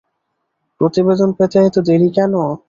প্রতিবেদন পেতে এত দেরি কেন?